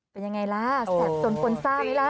เป็นยังไงล่ะแสบจนคนซ่าไหมล่ะ